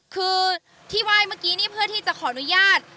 คือที่ไหว้เมื่อกี้นี่เพื่อที่จะขออนุญาต